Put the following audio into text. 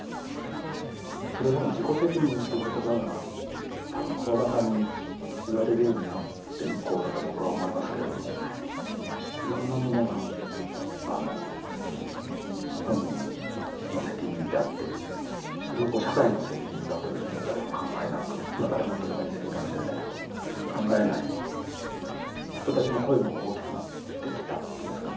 それは自己責任ということばがたぶん声高に言われるようになって以降だと僕は思いますけれどもいろんなものが本人の責任であって、それを社会の責任だというふうには誰も考えなく誰もというのは言い過ぎかもしれないけれども考えない人たちの声のほうが大きくなってきたっていうんですか。